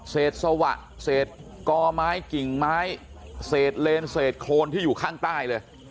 สวะเศษกอไม้กิ่งไม้เศษเลนเศษโครนที่อยู่ข้างใต้เลย